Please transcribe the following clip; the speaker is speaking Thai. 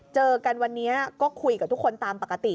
เจอกันวันนี้ก็คุยกับทุกคนตามปกติ